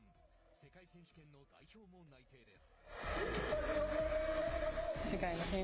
世界選手権の代表も内定です。